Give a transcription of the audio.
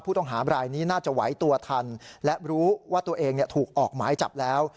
ผู้ต้องหาบรายนี้น่าจะไหวตัวทันและรู้ว่าตัวเองถูกออกหมายจับแล้ว